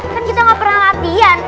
kan kita gak pernah latihan